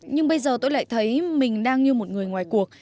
nhưng bây giờ tôi lại thấy mình đang như một người ngoài cuộc